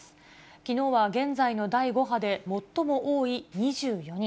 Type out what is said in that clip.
きのうは現在の第５波で最も多い２４人。